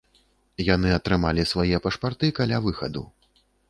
Яны атрымалі свае пашпарты каля выхаду.